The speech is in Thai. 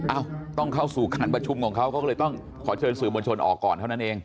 ต้องเข้าสู่การประชุมของเขาเขาก็เลยต้องขอเชิญสื่อมวลชนออกก่อนเท่านั้นเอง